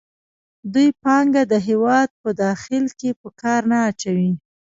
دوی پانګه د هېواد په داخل کې په کار نه اچوي